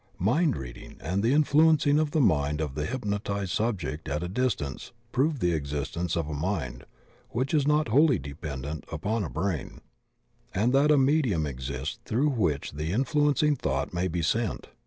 Mind reading and the influencing of the mind of the hypnotized subject at a distance prove the existence of a mind which is not wholly dependent upon a brain, and that a medium exists through which the influencing thought may be sent.